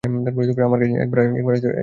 আমার কাছে একবার আসতে, সব ভুলে যেতাম।